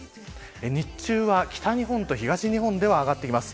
日中は北日本と東日本では上がってきます。